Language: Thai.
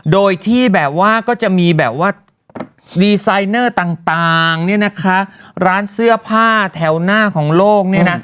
โดยที่แบบว่าก็จะมีแบบว่าดีไซเนอร์ต่างร้านเสื้อผ้าแถวหน้าของโลก